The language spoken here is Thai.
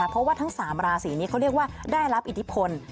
เพราะว่า๓๔เขาเรียกว่าได้รับอิทธิพล